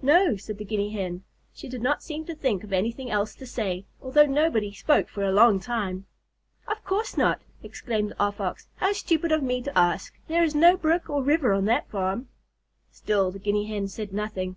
"No," said the Guinea Hen. She did not seem to think of anything else to say, although nobody spoke for a long time. "Of course not!" exclaimed the Off Ox. "How stupid of me to ask. There is no brook or river on that farm." Still the Guinea Hen said nothing.